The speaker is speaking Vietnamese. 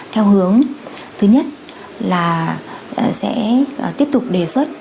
theo hướng thứ nhất là sẽ tiếp tục đề xuất